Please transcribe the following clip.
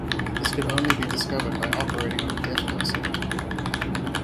This could only be discovered by operating on a deaf person.